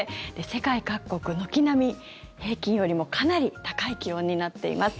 世界各国軒並み、平均よりもかなり高い気温になっています。